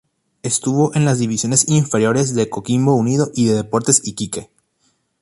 Estuvo en las divisiones inferiores de Coquimbo Unido y de Deportes Iquique.